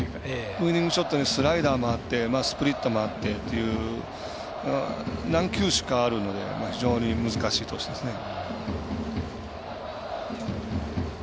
ウイニングショットにスライダーもあってスプリットもあってという何球種かあるのが非常に難しい投手ですね。